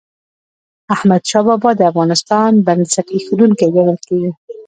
احمدشاه بابا د افغانستان بنسټ ايښودونکی ګڼل کېږي.